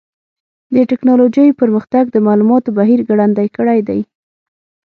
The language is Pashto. د ټکنالوجۍ پرمختګ د معلوماتو بهیر ګړندی کړی دی.